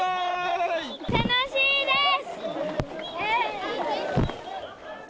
楽しいです。